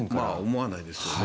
思わないですよね。